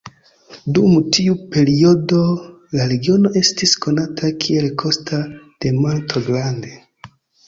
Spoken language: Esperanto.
Dum tiu periodo la regiono estis konata kiel Costa de Monto Grande.